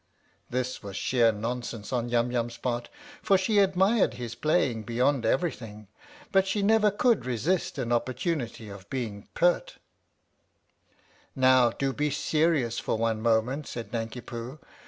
This was sheer nonsense on Yum Yum's part, 49 E THE STORY OF THE MIKADO for she admired his playing beyond everything, but she never could resist an opportunity of being pert. " Now do be serious for one moment," said Nanki Poo.